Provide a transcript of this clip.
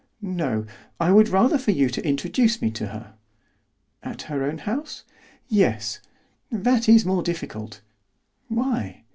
"No, I would rather for you to introduce me to her." "At her own house?" "Yes. "That is more difficult." "Why?"